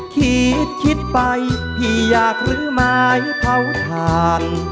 คิดคิดไปพี่อยากหรือไม้เผ่าทาน